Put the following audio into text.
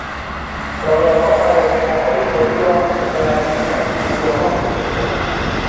رادارها هواپیماهای خودی را به نزدیکترین فرودگاهها میفرستادند.